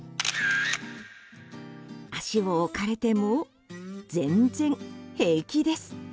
足を置かれても全然平気です。